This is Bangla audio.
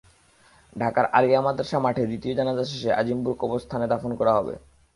ঢাকার আলিয়া মাদ্রাসা মাঠে দ্বিতীয় জানাজা শেষে আজিমপুর কবরস্থানে দাফন করা হবে।